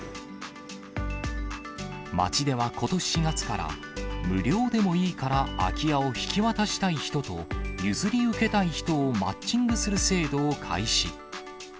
町ではことし４月から、無料でもいいから、空き家を引き渡したい人と、譲り受けたい人をマッチングする制度を開始。